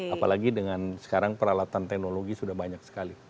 apalagi dengan sekarang peralatan teknologi sudah banyak sekali